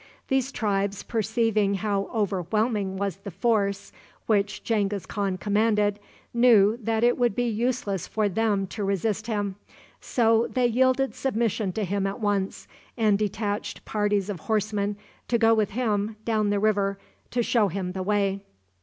These tribes, perceiving how overwhelming was the force which Genghis Khan commanded, knew that it would be useless for them to resist him. So they yielded submission to him at once, and detached parties of horsemen to go with him down the river to show him the way.